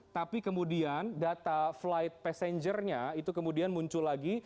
tapi kemudian data flight passengernya itu kemudian muncul lagi